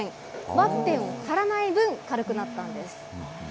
ワッペンを貼らない分、軽くなったんです。